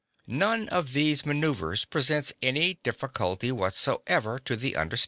None of these manouvres presents any difficulty whatsoever to the understanding.